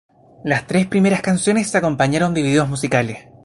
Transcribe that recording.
Las tres primeras canciones se acompañaron de vídeos musicales.